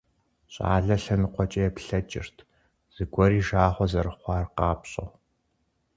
Щӏалэр лъэныкъуэкӏэ еплъэкӏырт, зыгуэр и жагъуэ зэрыхъуар къапщӀэу.